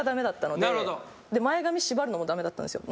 前髪縛るのも駄目だったんですよ。